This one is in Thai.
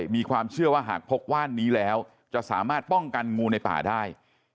มีความเชื่อว่าหากพกว่านนี้แล้วจะสามารถป้องกันงูในป่าได้